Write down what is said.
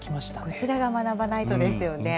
こちらが学ばないとですよね。